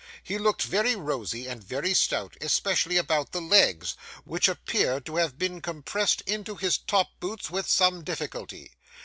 He looked very rosy and very stout, especially about the legs, which appeared to have been compressed into his top boots with some difficulty.